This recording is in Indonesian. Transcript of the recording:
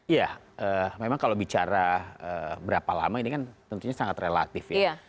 ya memang kalau bicara berapa lama ini kan tentunya sangat relatif ya